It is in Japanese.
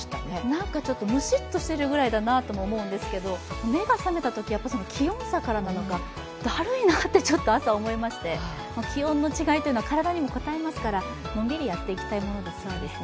なんかちょっとムシッとしているくらいかなと思うんですが目が覚めたとき、気温差からかだるいなと朝、思いまして気温の違いというのは体にもこたえますから、のんびりやっていきたいものですね。